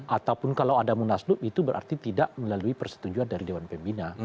ataupun kalau ada munaslup itu berarti tidak melalui persetujuan dari dewan pembina